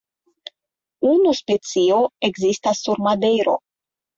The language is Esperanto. Unu specio ekzistas sur Madejro.